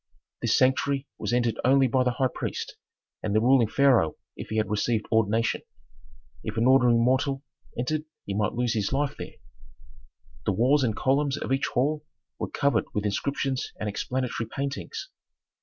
This sanctuary was entered only by the high priest, and the ruling pharaoh if he had received ordination. If an ordinary mortal entered he might lose his life there. The walls and columns of each hall were covered with inscriptions and explanatory paintings.